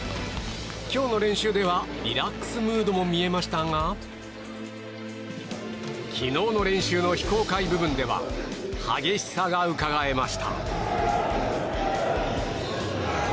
今日の練習ではリラックスムードも見えましたが昨日の練習の非公開部分では激しさがうかがえました。